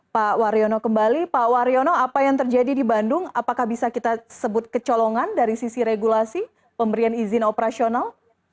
pak waryono kembali pak waryono apa yang terjadi di bandung apakah bisa kita sebut kecolongan dari sisi regulasi pemberian izin operasional